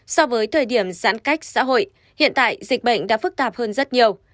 so với thời điểm giãn cách xã hội hiện tại dịch bệnh đã phức tạp hơn rất nhiều